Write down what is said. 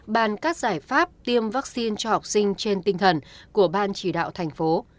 bàn các giải pháp tiêm vaccine cho học sinh trên tinh thần của ban chỉ đạo thành phố